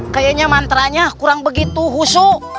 kayaknya mantra nya kurang begitu husu